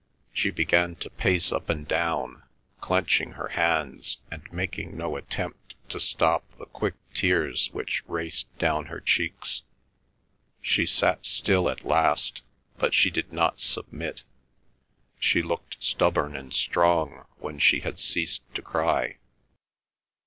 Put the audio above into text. She began to pace up and down, clenching her hands, and making no attempt to stop the quick tears which raced down her cheeks. She sat still at last, but she did not submit. She looked stubborn and strong when she had ceased to cry.